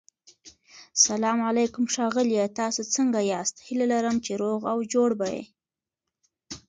سلام علیکم ښاغلیه تاسو سنګه یاست هيله لرم چی روغ او جوړ به يي